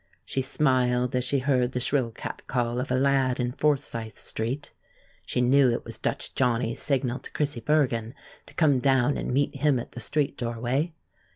She smiled as she heard the shrill catcall of a lad in Forsyth Street. She knew it was Dutch Johnny's signal to Chrissie Bergen to come down and meet him at the street doorway.